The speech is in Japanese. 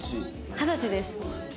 二十歳です。